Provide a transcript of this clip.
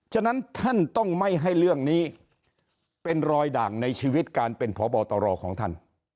ฉะนั้นท่านต้องไม่ให้เรื่องนี้เป็นรอยด่างในชีวิตการเป็นพบตรของท่าน